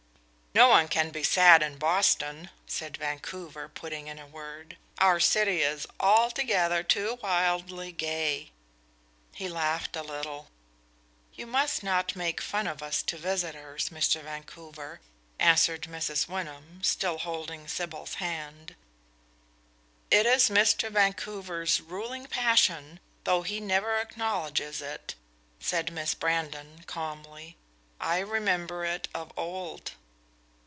"No one can be sad in Boston," said Vancouver, putting in a word. "Our city is altogether too wildly gay." He laughed a little. "You must not make fun of us to visitors, Mr. Vancouver," answered Mrs. Wyndham, still holding Sybil's hand. "It is Mr. Vancouver's ruling passion, though he never acknowledges it," said Miss Brandon, calmly. "I remember it of old."